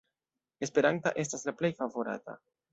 Esperanta estas la plej favorata.